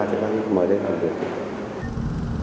thì anh mời đến làm việc